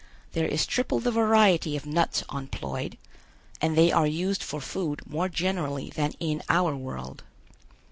There is triple the variety of nuts on Ploid, and they are used for food more generally than in our world.